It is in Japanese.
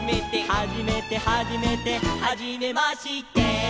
「はじめてはじめて」「はじめまして」